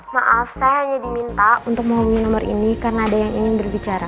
maaf saya hanya diminta untuk menghubungi nomor ini karena ada yang ingin berbicara